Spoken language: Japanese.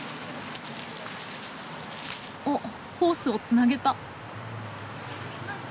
あっホースをつなげた。